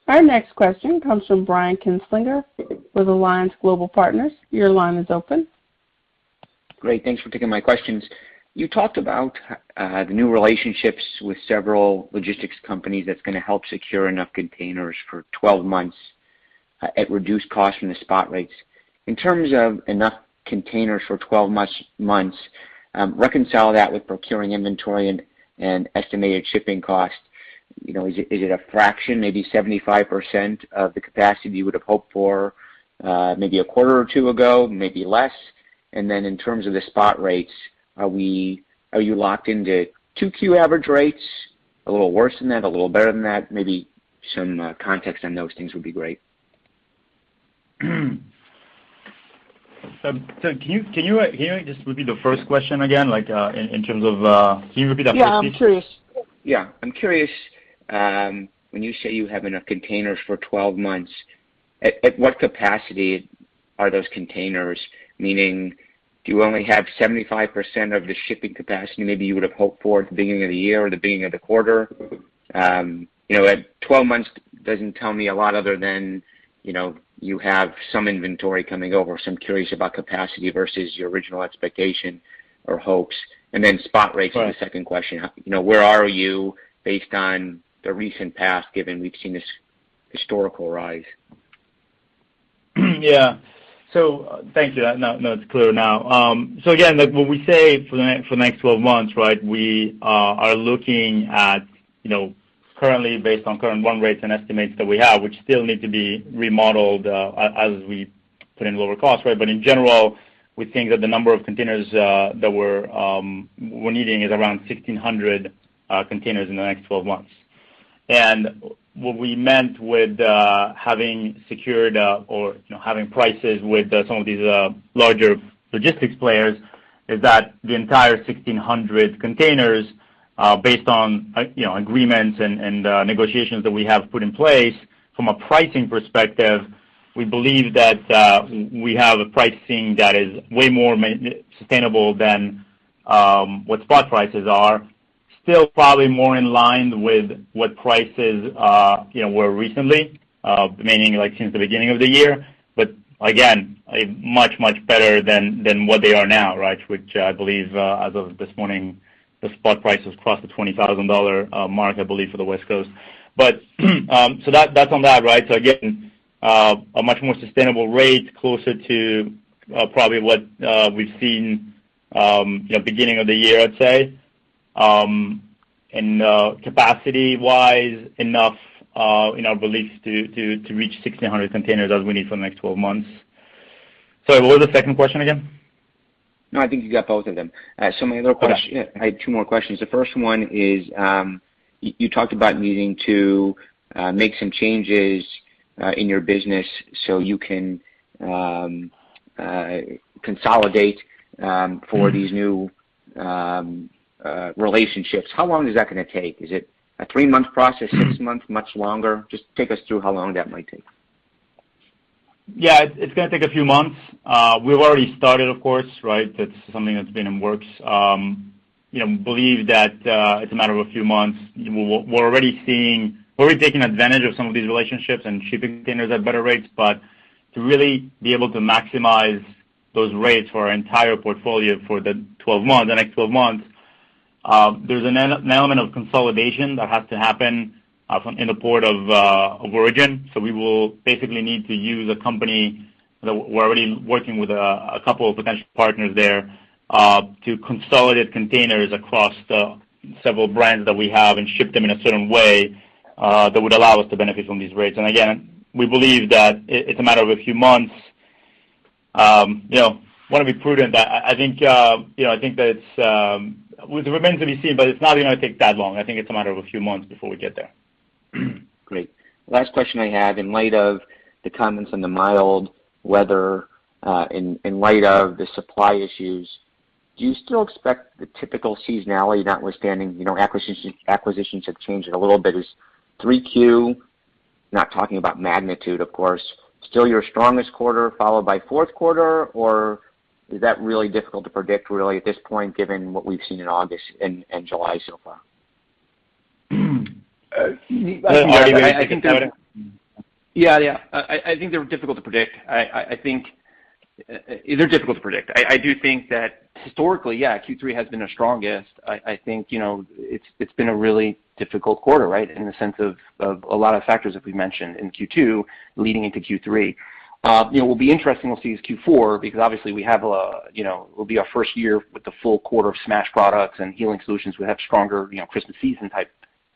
Our next question comes from Brian Kinstlinger with Alliance Global Partners. Your line is open. Great. Thanks for taking my questions. You talked about the new relationships with several logistics companies that's going to help secure enough containers for 12 months at reduced cost from the spot rates. In terms of enough containers for 12 months, reconcile that with procuring inventory and estimated shipping costs. Is it a fraction, maybe 75% of the capacity you would have hoped for maybe a quarter or two ago, maybe less? In terms of the spot rates, are you locked into 2Q average rates? A little worse than that, a little better than that? Maybe some context on those things would be great. Can you just repeat the first question again, like, Can you repeat that first piece? Yeah, I'm curious. Yeah. I'm curious, when you say you have enough containers for 12 months, at what capacity, Are those containers, meaning do you only have 75% of the shipping capacity maybe you would have hoped for at the beginning of the year or the beginning of the quarter? 12 months doesn't tell me a lot other than you have some inventory coming over. I'm curious about capacity versus your original expectation or hopes. The second question. Where are you based on the recent past, given we've seen this historical rise? Yeah. Thank you. No, it's clear now. Again, when we say for the next 12 months, we are looking at currently based on current run rates and estimates that we have, which still need to be remodeled as we put in lower costs. In general, we think that the number of containers that we're needing is around 1,600 containers in the next 12 months. What we meant with having secured or having prices with some of these larger logistics players is that the entire 1,600 containers, based on agreements and negotiations that we have put in place from a pricing perspective, we believe that we have a pricing that is way more sustainable than what spot prices are. Still probably more in line with what prices were recently, meaning like since the beginning of the year. Again, much better than what they are now, which I believe as of this morning, the spot price has crossed the $20,000 mark, I believe, for the West Coast. That's on that. Again, a much more sustainable rate closer to probably what we've seen beginning of the year, I'd say. Capacity-wise, enough in our beliefs to reach 1,600 containers as we need for the next 12 months. Sorry, what was the second question again? No, I think you got both of them. My other question. Okay I had two more questions. The first one is, you talked about needing to make some changes in your business so you can consolidate for these new relationships. How long is that gonna take? Is it a three-month process, six-month, much longer? Just take us through how long that might take. Yeah, it's gonna take a few months. We've already started, of course. That's something that's been in works. We believe that it's a matter of a few months. We're already taking advantage of some of these relationships and shipping containers at better rates. To really be able to maximize those rates for our entire portfolio for the next 12 months, there's an element of consolidation that has to happen in the port of origin. We will basically need to use a company that we're already working with, a couple of potential partners there, to consolidate containers across the several brands that we have and ship them in a certain way that would allow us to benefit from these rates. Again, we believe that it's a matter of a few months. We want to be prudent. It remains to be seen, but it's not going to take that long. I think it's a matter of a few months before we get there. Great. Last question I have. In light of the comments on the mild weather, in light of the supply issues, do you still expect the typical seasonality notwithstanding, acquisitions have changed it a little bit? Is 3Q, not talking about magnitude, of course, still your strongest quarter followed by fourth quarter? Is that really difficult to predict really at this point given what we've seen in August and July so far? Art, do you want to take a stab at it? Yeah. I think they're difficult to predict. I do think that historically, yeah, Q3 has been our strongest. I think it's been a really difficult quarter in the sense of a lot of factors that we've mentioned in Q2 leading into Q3. It will be interesting we'll see as Q4, because obviously it'll be our first year with a full quarter of Smash products and Healing Solutions will have stronger Christmas season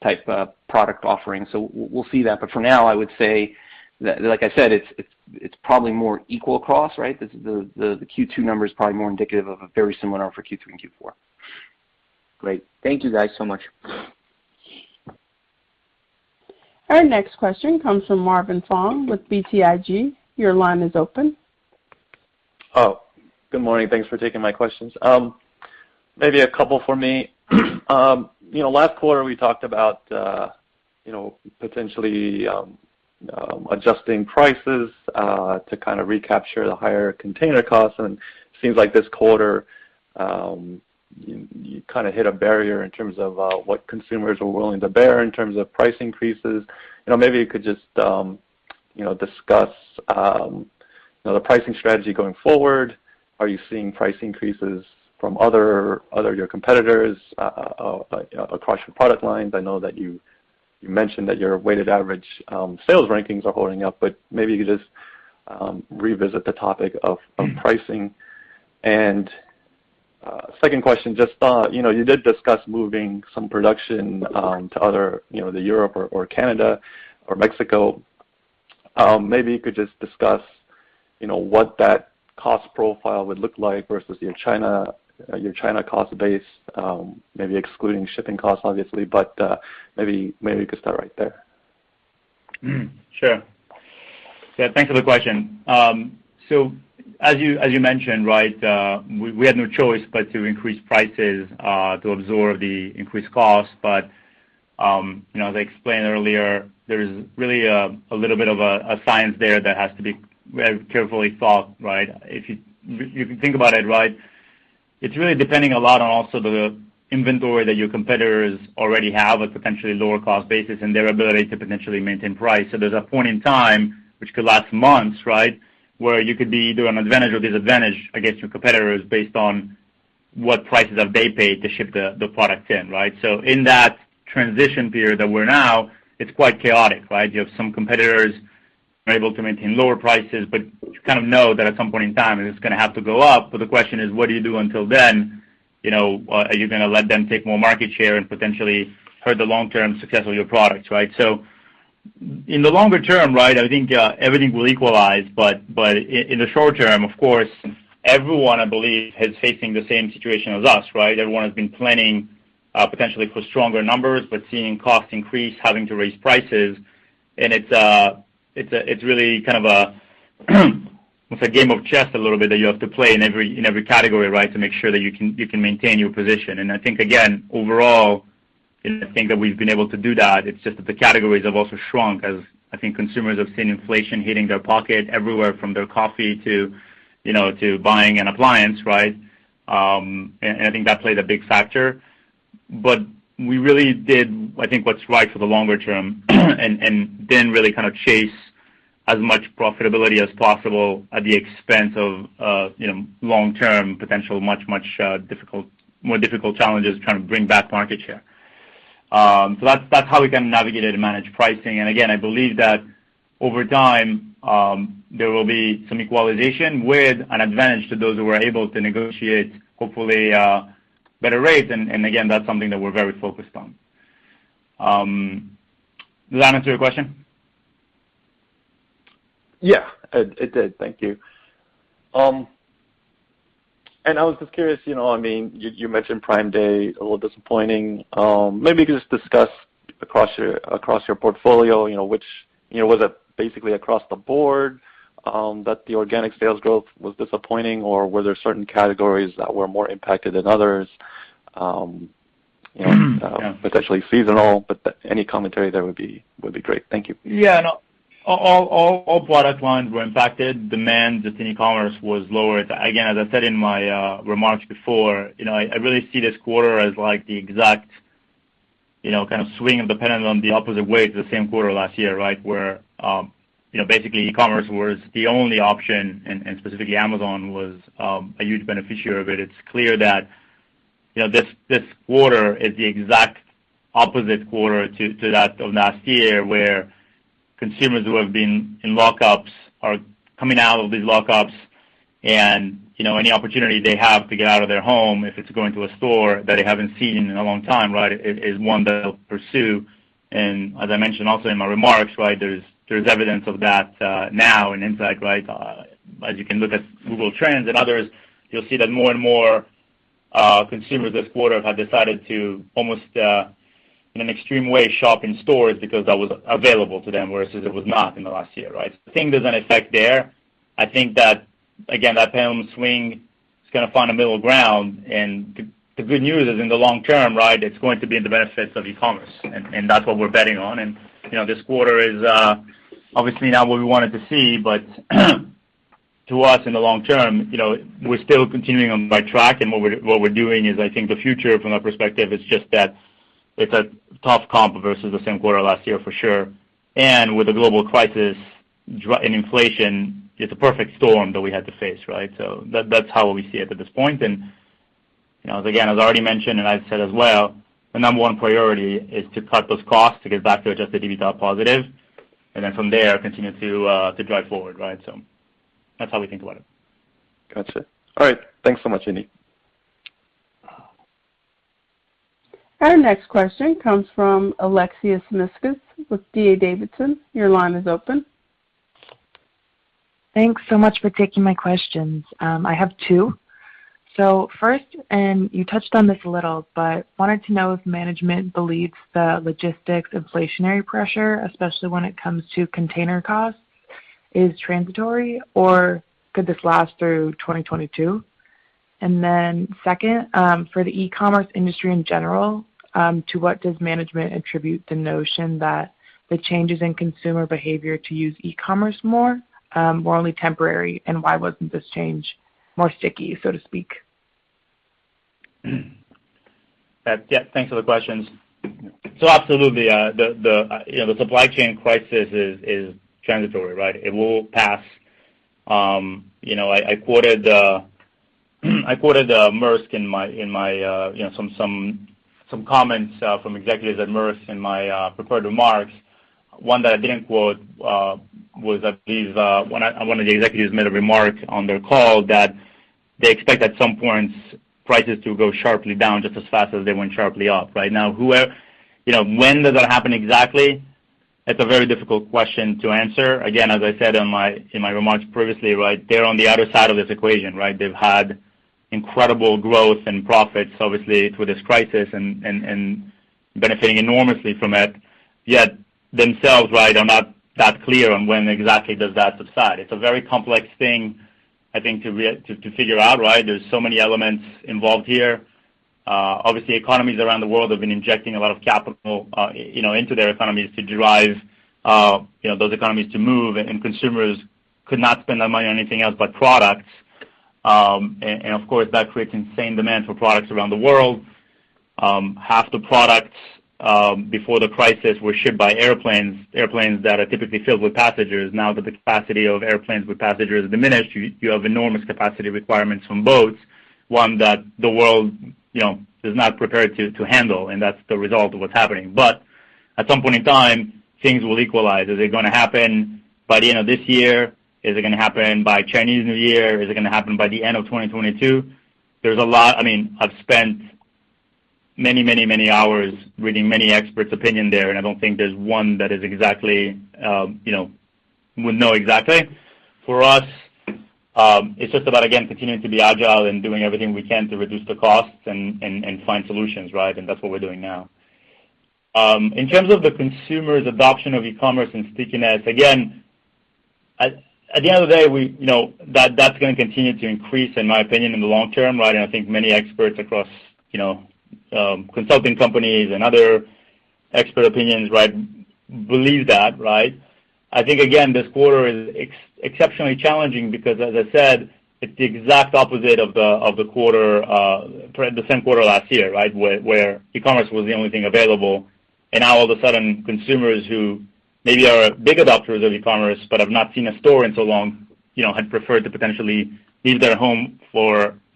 type product offerings. We'll see that. For now, I would say, like I said, it's probably more equal across. The Q2 number is probably more indicative of a very similar number for Q3 and Q4. Great. Thank you guys so much. Our next question comes from Marvin Fong with BTIG. Your line is open. Oh, good morning. Thanks for taking my questions. Maybe a couple for me. Last quarter, we talked about potentially adjusting prices to kind of recapture the higher container costs, and it seems like this quarter, you kind of hit a barrier in terms of what consumers were willing to bear in terms of price increases. Maybe you could just discuss the pricing strategy going forward. Are you seeing price increases from your competitors across your product lines? I know that you mentioned that your weighted average sales rankings are holding up, but maybe you could just revisit the topic of pricing. Second question, just thought you did discuss moving some production to other, the Europe or Canada or Mexico. Maybe you could just discuss what that cost profile would look like versus your China cost base, maybe excluding shipping costs, obviously, but maybe you could start right there. Sure. Yeah, thanks for the question. As you mentioned, we had no choice but to increase prices to absorb the increased costs. As I explained earlier, there's really a little bit of a science there that has to be very carefully thought. If you think about it's really depending a lot on also the inventory that your competitors already have a potentially lower cost basis and their ability to potentially maintain price. There's a point in time which could last months, where you could be to an advantage or disadvantage against your competitors based on what prices have they paid to ship the product in. In that transition period that we're now, it's quite chaotic. You have some competitors are able to maintain lower prices, but you kind of know that at some point in time, it's going to have to go up. The question is, what do you do until then? Are you going to let them take more market share and potentially hurt the long-term success of your products? In the longer term, I think everything will equalize, but in the short term, of course, everyone, I believe, is facing the same situation as us. Everyone has been planning, potentially for stronger numbers, but seeing costs increase, having to raise prices, and it's really kind of a game of chess a little bit that you have to play in every category, to make sure that you can maintain your position. I think, again, overall, I think that we've been able to do that. It's just that the categories have also shrunk, as I think consumers have seen inflation hitting their pocket everywhere from their coffee to buying an appliance. I think that played a big factor. We really did, I think, what's right for the longer term, and didn't really chase as much profitability as possible at the expense of long-term potential more difficult challenges trying to bring back market share. That's how we kind of navigated and managed pricing. Again, I believe that over time, there will be some equalization with an advantage to those who are able to negotiate, hopefully, better rates. Again, that's something that we're very focused on. Does that answer your question? Yeah. It did. Thank you. I was just curious, you mentioned Prime Day, a little disappointing. Maybe just discuss across your portfolio, was it basically across the board that the organic sales growth was disappointing, or were there certain categories that were more impacted than others? Yeah Potentially seasonal, but any commentary there would be great. Thank you. No. All product lines were impacted. Demand within e-commerce was lower. Again, as I said in my remarks before, I really see this quarter as the exact kind of swing of the pendulum, the opposite way to the same quarter last year, where basically e-commerce was the only option, and specifically Amazon was a huge beneficiary of it. It's clear that this quarter is the exact opposite quarter to that of last year, where consumers who have been in lockups are coming out of these lockups, and any opportunity they have to get out of their home, if it's going to a store that they haven't seen in a long time, is one they'll pursue. As I mentioned also in my remarks, there's evidence of that now in insight. As you can look at Google Trends and others, you'll see that more and more consumers this quarter have decided to almost, in an extreme way, shop in stores because that was available to them, versus it was not in the last year. I think there's an effect there. I think that, again, that pendulum swing is going to find a middle ground, and the good news is in the long term, it's going to be in the benefits of e-commerce, and that's what we're betting on. This quarter is obviously not what we wanted to see, but to us in the long term, we're still continuing on track. What we're doing is, I think the future from that perspective is just that it's a tough comp versus the same quarter last year for sure. With the global crisis and inflation, it's a perfect storm that we had to face. That's how we see it at this point. Again, as I already mentioned, and I've said as well, the number one priority is to cut those costs to get back to adjusted EBITDA positive. From there, continue to drive forward. That's how we think about it. Gotcha. All right. Thanks so much, Yaniv. Our next question comes from Alexia Tsimikas with D.A. Davidson. Your line is open. Thanks so much for taking my questions. I have two. First, and you touched on this a little, but wanted to know if management believes the logistics inflationary pressure, especially when it comes to container costs, is transitory, or could this last through 2022? Second, for the e-commerce industry in general, to what does management attribute the notion that the changes in consumer behavior to use e-commerce more were only temporary, and why wasn't this change more sticky, so to speak? Yeah. Thanks for the questions. Absolutely, the supply chain crisis is transitory. It will pass. I quoted Maersk in some comments from executives at Maersk in my prepared remarks. One that I didn't quote was, I believe, one of the executives made a remark on their call that they expect at some point prices to go sharply down just as fast as they went sharply up. Now, when does that happen exactly? That's a very difficult question to answer. Again, as I said in my remarks previously, they're on the other side of this equation. They've had incredible growth and profits, obviously, through this crisis, and benefiting enormously from it, yet themselves are not that clear on when exactly does that subside. It's a very complex thing, I think, to figure out. There's so many elements involved here. Obviously, economies around the world have been injecting a lot of capital into their economies to drive those economies to move, and consumers could not spend that money on anything else but products. Of course, that creates insane demand for products around the world. Half the products before the crisis were shipped by airplanes that are typically filled with passengers. Now that the capacity of airplanes with passengers is diminished, you have enormous capacity requirements from boats, one that the world is not prepared to handle, and that's the result of what's happening. At some point in time, things will equalize. Is it going to happen by the end of this year? Is it going to happen by Chinese New Year? Is it going to happen by the end of 2022? I've spent many, many, many hours reading many experts' opinion there, and I don't think there's one that would know exactly. For us, it's just about, again, continuing to be agile and doing everything we can to reduce the costs and find solutions. That's what we're doing now. In terms of the consumer's adoption of e-commerce and stickiness, again, at the end of the day, that's going to continue to increase, in my opinion, in the long term. I think many experts across consulting companies and other expert opinions believe that. I think, again, this quarter is exceptionally challenging because, as I said, it's the exact opposite of the same quarter last year, where e-commerce was the only thing available. Now all of a sudden, consumers who maybe are big adopters of e-commerce but have not seen a store in so long, had preferred to potentially leave their home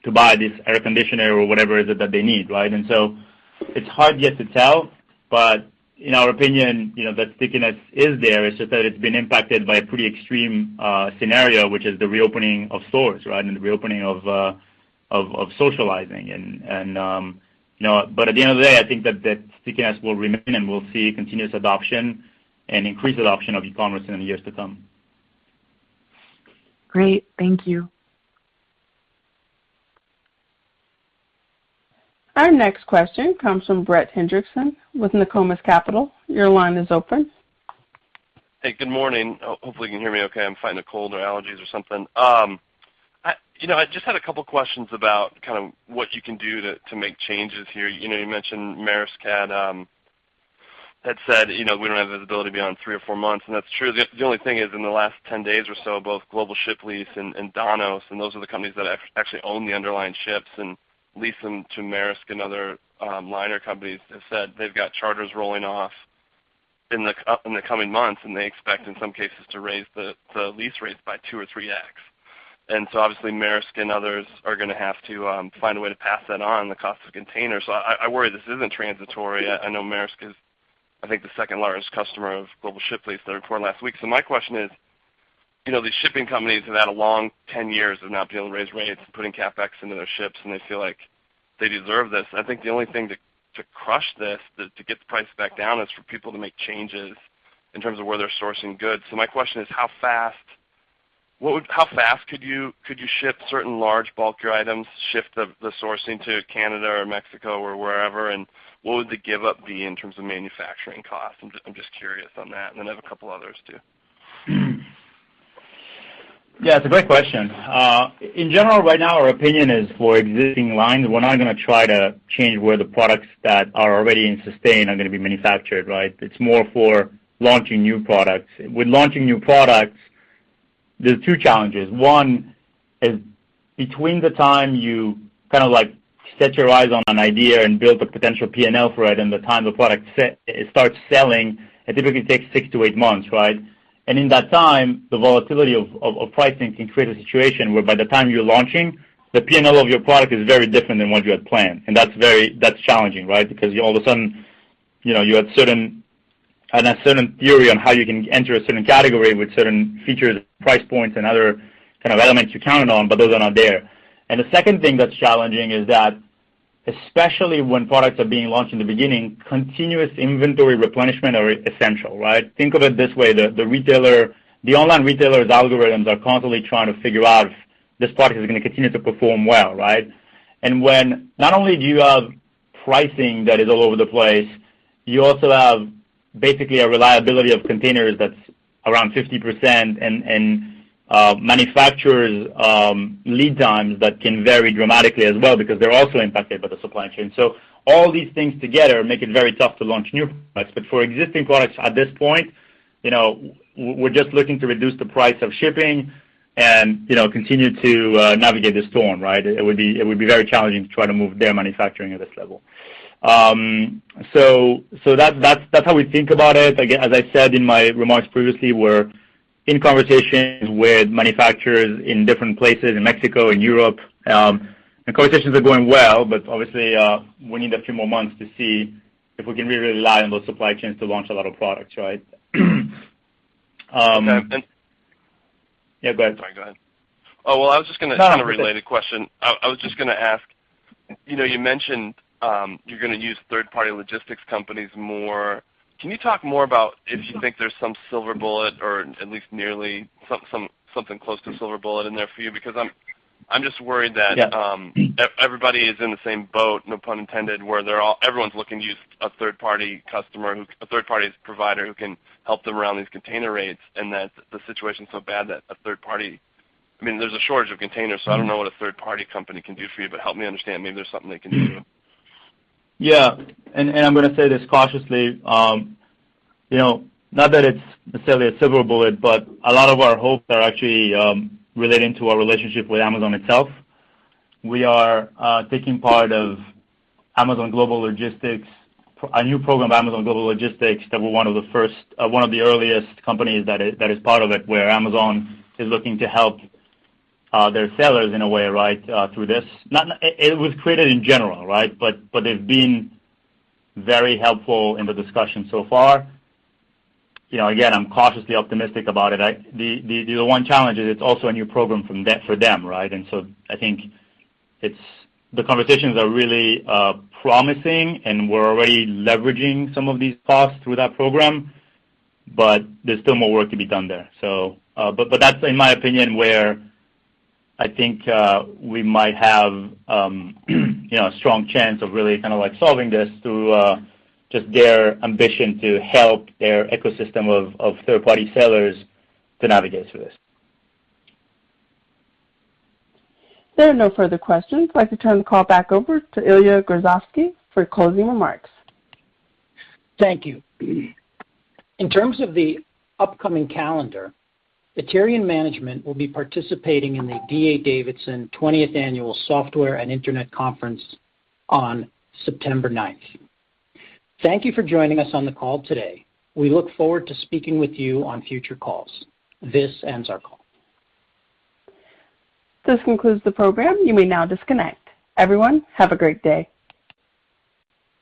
to buy this air conditioner or whatever is it that they need. So it's hard yet to tell, but in our opinion, that stickiness is there. It's just that it's been impacted by a pretty extreme scenario, which is the reopening of stores and the reopening of socializing. At the end of the day, I think that stickiness will remain, and we'll see continuous adoption and increased adoption of e-commerce in the years to come. Great. Thank you. Our next question comes from Brett Hendrickson with Nokomis Capital. Your line is open. Hey, good morning. Hopefully, you can hear me okay. I'm fighting a cold or allergies or something. I just had a couple questions about what you can do to make changes here. You mentioned Maersk had said, "We don't have visibility beyond three or four months." That's true. The only thing is in the last 10 days or so, both Global Ship Lease and Danaos, and those are the companies that actually own the underlying ships and lease them to Maersk and other liner companies, have said they've got charters rolling off in the coming months, and they expect, in some cases, to raise the lease rates by 2x or 3x. Obviously, Maersk and others are going to have to find a way to pass that on, the cost of containers. I worry this isn't transitory. I know Maersk is, I think, the second-largest customer of Global Ship Lease that reported last week. My question is, these shipping companies have had a long 10 years of not being able to raise rates and putting CapEx into their ships, and they feel like they deserve this. I think the only thing to crush this, to get the price back down, is for people to make changes in terms of where they're sourcing goods. My question is, how fast could you ship certain large bulkier items, shift the sourcing to Canada or Mexico or wherever, and what would the give up be in terms of manufacturing cost? I'm just curious on that. Then I have a couple others too. It's a great question. In general, right now our opinion is for existing lines, we're not going to try to change where the products that are already in sustain are going to be manufactured. It's more for launching new products. With launching new products, there's two challenges. One is between the time you kind of set your eyes on an idea and build a potential P&L for it and the time the product starts selling, it typically takes six-eight months. In that time, the volatility of pricing can create a situation where by the time you're launching, the P&L of your product is very different than what you had planned. That's challenging because all of a sudden, you had a certain theory on how you can enter a certain category with certain features, price points, and other kind of elements you counted on, but those are not there. The second thing that's challenging is that, especially when products are being launched in the beginning, continuous inventory replenishment are essential. Think of it this way. The online retailer's algorithms are constantly trying to figure out if this product is going to continue to perform well. When not only do you have pricing that is all over the place, you also have basically a reliability of containers that's around 50% and manufacturers' lead times that can vary dramatically as well because they're also impacted by the supply chain. All these things together make it very tough to launch new products. For existing products at this point, we're just looking to reduce the price of shipping and continue to navigate this storm. It would be very challenging to try to move their manufacturing at this level. That's how we think about it. As I said in my remarks previously, we're in conversations with manufacturers in different places, in Mexico and Europe. Conversations are going well, but obviously, we need a few more months to see if we can really rely on those supply chains to launch a lot of products. Okay. Yeah, go ahead. Sorry, go ahead. No, no, please Kind of related question. I was just going to ask, you mentioned you're going to use third-party logistics companies more. Can you talk more about if you think there's some silver bullet or at least nearly something close to silver bullet in there for you? Because I'm just worried that everybody is in the same boat, no pun intended, where everyone's looking to use a third-party provider who can help them around these container rates, and that the situation's so bad that There's a shortage of containers, so I don't know what a third-party company can do for you, but help me understand. Maybe there's something they can do. Yeah. I'm going to say this cautiously. Not that it's necessarily a silver bullet, but a lot of our hopes are actually relating to our relationship with Amazon itself. We are taking part of a new program by Amazon Global Logistics that we're one of the earliest companies that is part of it, where Amazon is looking to help their sellers in a way through this. It was created in general. They've been very helpful in the discussion so far. Again, I'm cautiously optimistic about it. The one challenge is it's also a new program for them. I think the conversations are really promising, and we're already leveraging some of these costs through that program, but there's still more work to be done there. That's, in my opinion, where I think we might have a strong chance of really solving this through just their ambition to help their ecosystem of third-party sellers to navigate through this. There are no further questions. I'd like to turn the call back over to Ilya Grozovsky for closing remarks. Thank you. In terms of the upcoming calendar, Aterian management will be participating in the D.A. Davidson 20th Annual Software and Internet Conference on September 9th. Thank you for joining us on the call today. We look forward to speaking with you on future calls. This ends our call. This concludes the program. You may now disconnect. Everyone, have a great day.